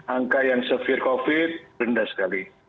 angka yang severe covid rendah sekali